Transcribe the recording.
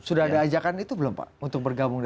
sudah ada ajakan itu belum pak untuk bergabung dengan